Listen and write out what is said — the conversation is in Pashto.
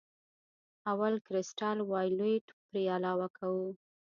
اول کرسټل وایولېټ پرې علاوه کوو.